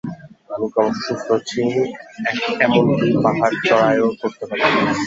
আমি ক্রমশ সুস্থ হচ্ছি, এমন কি পাহাড়-চড়াইও করতে পারি।